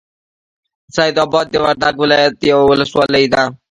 سیدآباد د وردک ولایت یوه ولسوالۍ ده.